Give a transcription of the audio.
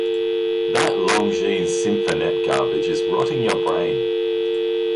That Longines Symphonette garbage is rotting your brain!